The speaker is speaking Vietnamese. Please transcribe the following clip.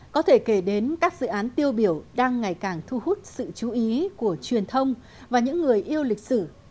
có thể kể đến các dự án tiêu biểu đang ngày càng thu hút sự chú ý của truyền thông và những người yêu lịch sử